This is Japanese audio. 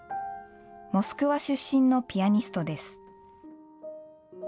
モスクワ出身のピアニストです。